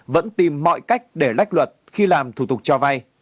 vẫn tìm mọi cách để lách luật khi làm thủ tục cho vay